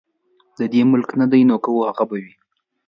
د دې ملک نه دي نو که وه هغه به وي.